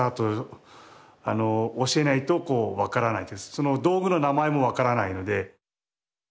その道具の名前もわからないので。